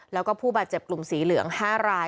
แล้วก็ผู้บาดเจ็บกลุ่มสีเหลือง๕ราย